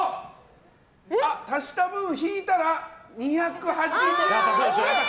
足した分を引いたら２８０！